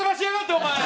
お前。